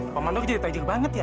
komandok jadi tajik banget ya